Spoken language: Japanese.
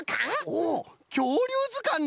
おお「きょうりゅうずかん」な！